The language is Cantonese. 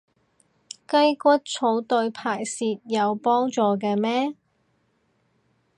雞骨草對排泄有幫助嘅咩？